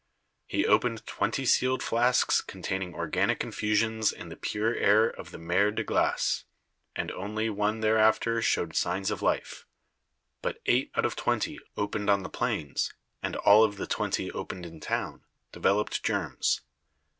He opened twenty sealed flasks containing organic infusions in the pure air of the Mer de Glace, and only one thereafter showed signs of life ; but eight out of twenty opened on the plains, and all of the twenty opened in town, developed germs.